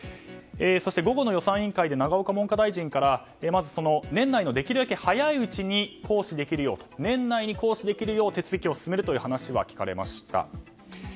そして、午後の予算委員会で永岡文科大臣からまず年内のできるだけ早いうちに年内に行使できるよう手続きを進めるという話は聞かれました。